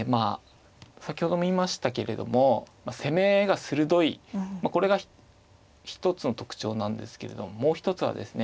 先ほども言いましたけれども攻めが鋭いこれが一つの特徴なんですけれどももう一つはですね